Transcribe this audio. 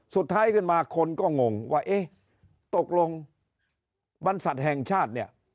สุดท้ายขึ้นมาคนก็งงว่าเอ๊ะตกลงบรรษัทแห่งชาติเนี่ย